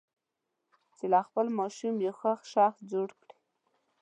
چې له خپل ماشوم یو ښه شخص جوړ کړي.